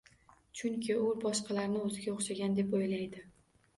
Chunki u boshqalarni o‘ziga o‘xshagan deb o‘ylaydi.